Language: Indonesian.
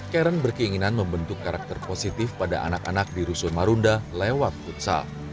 karen berkeinginan membentuk karakter positif pada anak anak di rusun marunda lewat futsal